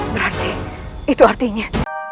berarti itu artinya